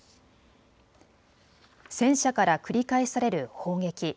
戦車から繰り返される砲撃。